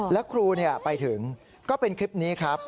แล้วครูไปถึงก็เป็นคลิปนี้ครับ